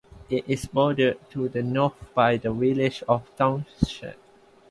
It is bordered to the north by the village of Townshend.